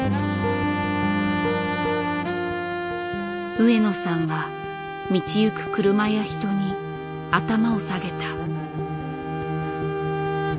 上野さんは道行く車や人に頭を下げた。